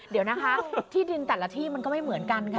เดี๋ยวนะคะที่ดินแต่ละที่มันก็ไม่เหมือนกันค่ะ